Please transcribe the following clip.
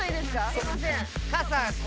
すみません。